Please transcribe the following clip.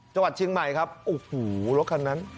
จังหวัดเชียงใหม่ครับโอ้โหรถคันนั้น